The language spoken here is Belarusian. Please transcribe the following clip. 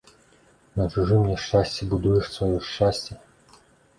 На чужым няшчасці будуеш сваё шчасце?